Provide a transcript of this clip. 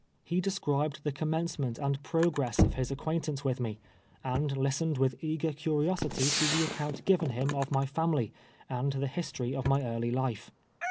He described the commencemeTit and progress of liis ac(piaintance with me, and listened with eager curiosity to the account given him of my family, and the histor}' of my early life.